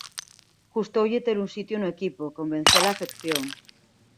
Custoulle ter un sitio no equipo e convencer a afección.